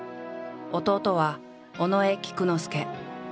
弟は尾上菊之助。